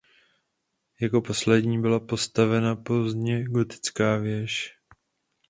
Jako poslední byla postavena pozdně gotická věž.